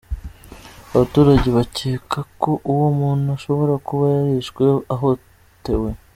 Abaturage bakeka ko uwo muntu ashobora kuba yarishwe ahotowe.